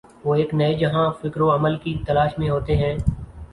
وہ ایک نئے جہان فکر و عمل کی تلاش میں ہوتے ہیں۔